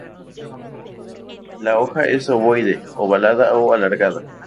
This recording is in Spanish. La hoja es ovoide, ovalada o alargada.